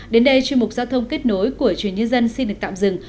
đến đây chuyên mục giao thông kết nối của truyền nhân dân xin được tạm dừng